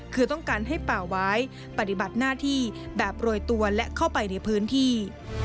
คือต้องการให้ป่าวายปฏิบัติหน้าที่แบบโรยตัวและเข้าไปในพื้นที่